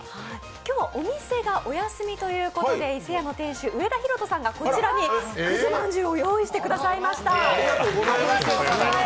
今日はお店がお休みということで伊勢屋の店主・上田さんがこちらにくずまんじゅうを用意してくださいました。